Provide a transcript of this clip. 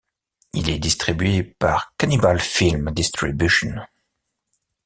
Il est distribué par Kanibal Films Distribution.